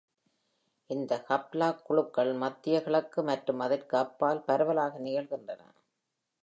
இந்த ஹாப்லாக் குழுக்கள் மத்திய கிழக்கு மற்றும் அதற்கு அப்பால் பரவலாக நிகழ்கின்றன.